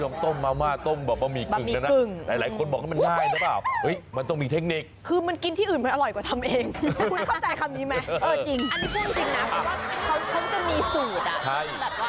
อันดิที่ซึ่งนะแต่ว่าเค้าจะมีสูตรแบบว่าเป็นของเขา